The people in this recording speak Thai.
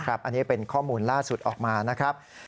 อันนี้เป็นข้อมูลล่าสุดออกมานะครับ